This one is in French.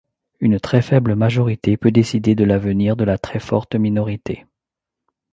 Une très faible majorité peut décider de l'avenir de la très forte minorité.